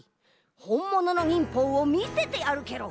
ほんものの忍法をみせてやるケロ。